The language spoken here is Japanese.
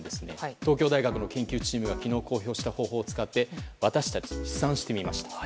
東京大学の研究チームが昨日公表した方法を使って私たち、試算してみました。